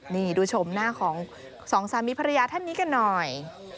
นี่ดูชมหน้าของสองสามีภรรยาท่านนี้กันหน่อย